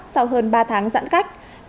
sau hơn ba tháng giãn cách